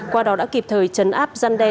qua đó đã kịp thời chấn áp giăn đe